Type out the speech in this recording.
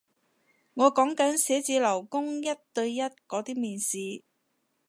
我講緊寫字樓工一對一嗰啲面試